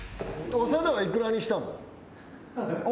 長田は幾らにしたの？